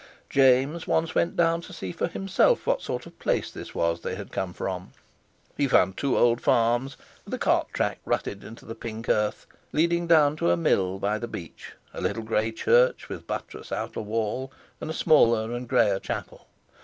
James once went down to see for himself what sort of place this was that they had come from. He found two old farms, with a cart track rutted into the pink earth, leading down to a mill by the beach; a little grey church with a buttressed outer wall, and a smaller and greyer chapel.